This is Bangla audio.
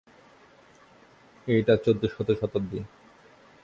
এইটা চৌদ্দশত শতাব্দী।